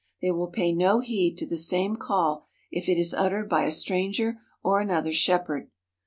They will pay no heed to the same call if it is uttered by a stranger or another shepherd.